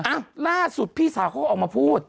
อ่ะล่าสุดพี่สาวเขาก็ออกมาพูด